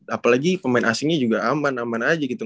apalagi pemain asingnya juga aman aman aja gitu